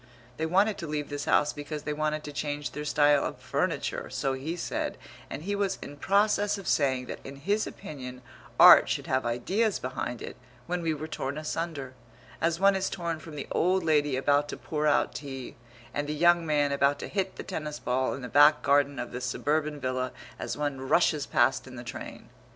They wanted to leave this house because they wanted to change their style of furniture, so he said, and he was in process of saying that in his opinion art should have ideas behind it when we were torn asunder, as one is torn from the old lady about to pour out tea and the young man about to hit the tennis ball in the back garden of the suburban villa as one rushes past in the train.